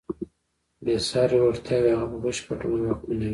بېساري وړتیاوې هغه په بشپړ ډول واکمنوي.